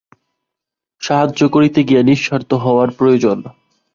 সাহায্য করিতে গিয়া নিঃস্বার্থ হওয়ার প্রয়োজন।